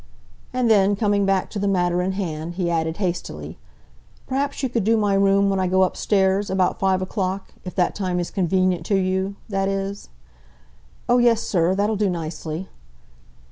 And then, coming back to the matter in hand, he added hastily, "Perhaps you could do my room when I go upstairs, about five o'clock—if that time is convenient to you, that is?" "Oh, yes, sir! That'll do nicely!"